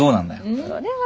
それは。